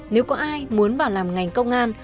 nếu có ai muốn vào làm ngành công an